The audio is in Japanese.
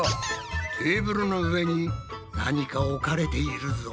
テーブルの上に何か置かれているぞ。